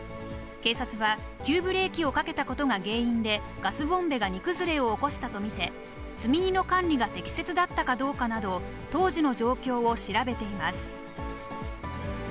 警察は、急ブレーキをかけたことが原因で、ガスボンベが荷崩れを起こしたと見て、積み荷の管理が適切だったかどうかなどを当時の状況を調べています。